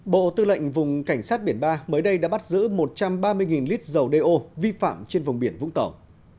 bộ tư lệnh vùng cảnh sát biển ba mới đây đã bắt giữ một trăm ba mươi lít dầu đeo vi phạm trên vùng biển vũng tàu